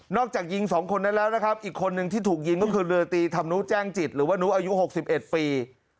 จากยิงสองคนนั้นแล้วนะครับอีกคนนึงที่ถูกยิงก็คือเรือตีธรรมนุแจ้งจิตหรือว่านุอายุ๖๑ปี